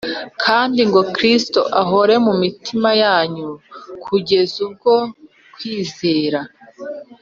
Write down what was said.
kandi ngo Kristo ahore mu mitima yanyu ku bwo kwizera,